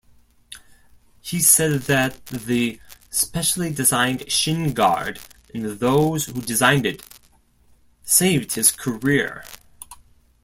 He said that the specially-designed shin-guard and those who designed it "saved his career".